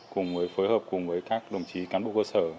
cùng với phối hợp cùng với các đồng chí cán bộ cơ sở